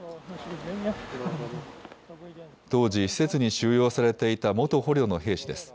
当時、施設に収容されていた元捕虜の兵士です。